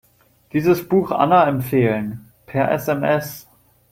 Dieses Buch Anna empfehlen, per SMS.